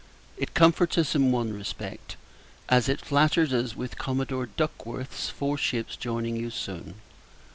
It comforts us in one respect, as it flatters us with Commodore Duckworth's four ships joining you soon.